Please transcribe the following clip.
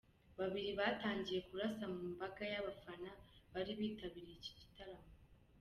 babiri batangiye kurasa mu mbaga yabafana bari bitabiriye iki gitaramo.